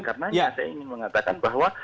karena saya ingin mengatakan bahwa